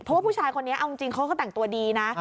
เพราะว่าผู้ชายคนนี้เอาจริงเขาก็แต่งตัวดีนะ